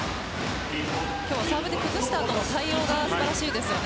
今日はサーブで崩したあとの対応が素晴らしいですよね。